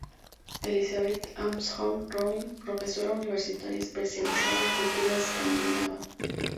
Elizabeth Ashman Rowe, profesora universitaria especializada en cultura escandinava.